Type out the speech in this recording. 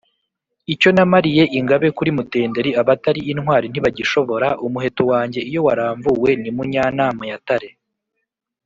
Icyo namaliye ingabe, kuri Mutenderi, abatali intwali ntibagishoboraUmuheto wanjye iyo waramvuwe ni mu Nyanama ya Tare,